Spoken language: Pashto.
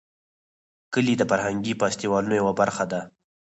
کلي د فرهنګي فستیوالونو یوه برخه ده.